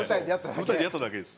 舞台でやっただけです。